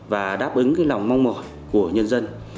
và đáp ứng cái lòng mong mỏi của nhân dân